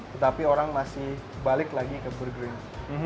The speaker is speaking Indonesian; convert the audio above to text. tetapi orang masih balik lagi ke burger ini